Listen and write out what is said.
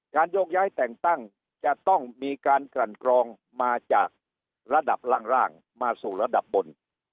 โยกย้ายแต่งตั้งจะต้องมีการกลั่นกรองมาจากระดับล่างมาสู่ระดับบน